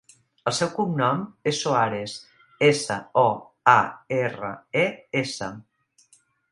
El seu cognom és Soares: essa, o, a, erra, e, essa.